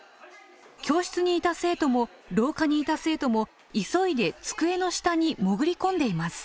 教室にいた生徒も廊下にいた生徒も急いで机の下に潜り込んでいます。